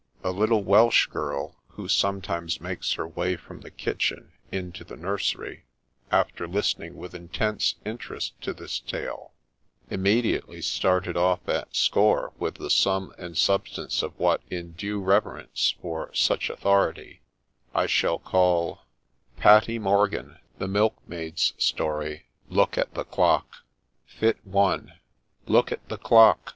A little Welsh girl, who sometimes makes her way from the kitchen into the nursery, after listening with intense interest to this tale, immediately started off at score with the sum and substance of what, in due reverence for such authority, I shall call — PATTY MORGAN THE MILKMAID'S STORY ' LOOK AT THE CLOCK I • FYTTB I <T OOK at the Clock!'